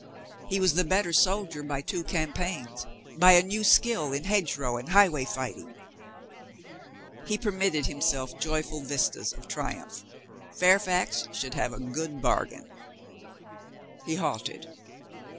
He was the better soldier by two campaigns, by a new skill in licdge row and highway fighting. He permitted himself joyful vistas of triumph. Fairfax should have a good bargain. He halted.